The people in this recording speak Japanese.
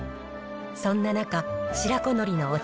そんな中、白子のりのお茶